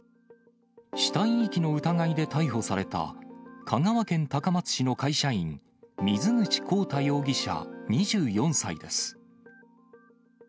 死体遺棄の疑いで逮捕された香川県高松市の会社員、水口豪太容疑者２４歳です。